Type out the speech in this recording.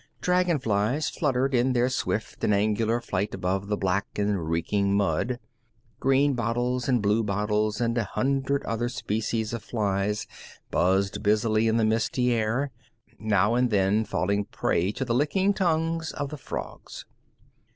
Dragon flies fluttered in their swift and angular flight above the black and reeking mud. Green bottles and blue bottles and a hundred other species of flies buzzed busily in the misty air, now and then falling prey to the licking tongues of the frogs.